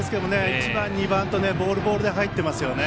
１番、２番とボール、ボールで入ってますね。